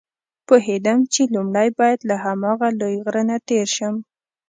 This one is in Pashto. پوهېدم چې لومړی باید له هماغه لوی غره نه تېر شم.